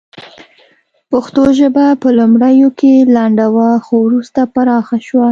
پښتو ژبه په لومړیو کې لنډه وه خو وروسته پراخه شوه